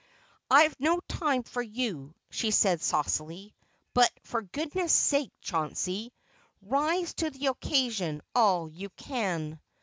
"I've no time for you," she said saucily. "But for goodness' sake, Chauncey, rise to the occasion all you can!"